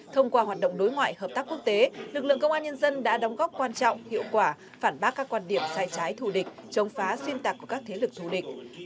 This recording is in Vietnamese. thông qua hoạt động đối ngoại hợp tác quốc tế lực lượng công an nhân dân đã đóng góp quan trọng hiệu quả phản bác các quan điểm sai trái thù địch chống phá xuyên tạc của các thế lực thù địch